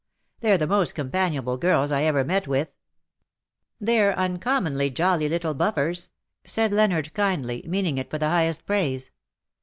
They're the most companionable girls I ever met with \"" They're uncommonly jolly little buflPers !" said Leonard, kindly, meaning it for the highest praise.